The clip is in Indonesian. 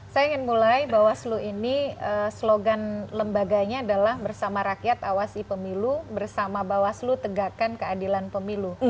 saya ingin mulai bahwa selu ini slogan lembaganya adalah bersama rakyat awasi pemilu bersama bawas lu tegakkan keadilan pemilu